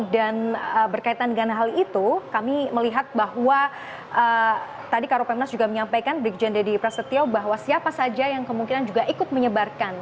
dengan hal itu kami melihat bahwa tadi karo pemnas juga menyampaikan brik jendadi prasetyo bahwa siapa saja yang kemungkinan juga ikut menyebarkan